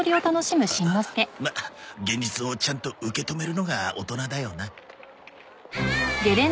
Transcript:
まあ現実をちゃんと受け止めるのが大人だよな。